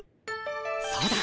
そうだ！